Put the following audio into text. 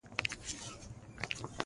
د دوبۍ باربکیو په نامه یادېږي.